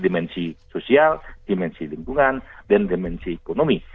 dimensi sosial dimensi lingkungan dan dimensi ekonomi